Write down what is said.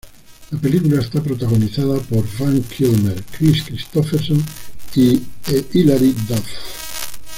La película está protagonizada por Val Kilmer, Kris Kristofferson y Hilary Duff.